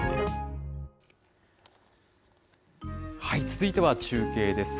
続いては中継です。